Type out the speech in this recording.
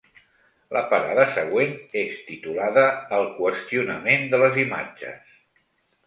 La parada següent és titulada ‘El qüestionament de les imatges’.